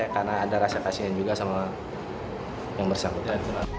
karena ada rasa kasihnya juga sama yang bersangkutan